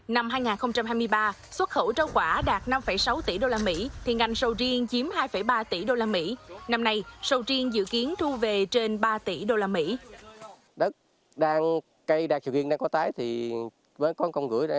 năm hai nghìn hai mươi ba xuất khẩu rau quả đạt năm sáu tỷ usd thì ngành sầu riêng chiếm hai ba tỷ usd